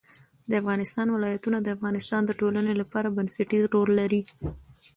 د افغانستان ولايتونه د افغانستان د ټولنې لپاره بنسټيز رول لري.